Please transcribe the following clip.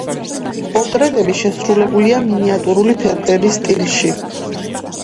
პორტრეტები შესრულებულია მინიატურული ფერწერის სტილში.